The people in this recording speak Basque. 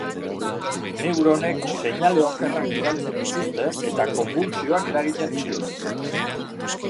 Neuronek seinale okerrak bidaltzen dituzte eta konbultsioak eragiten ditu.